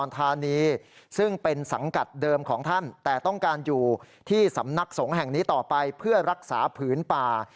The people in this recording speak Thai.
ต้องการอยู่ที่สำนักสงข์แห่งนี้ต่อไปเพื่อรักษาผืนป่า